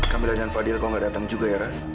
kamila dan fadil kok nggak datang juga ya ras